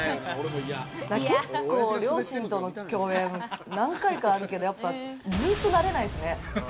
結構両親との共演、何回かあるけど、やっぱずっとなれないですね。